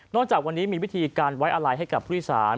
นอกจากวันนี้มีวิธีการไว้อะลายให้กับผู้ที่สาร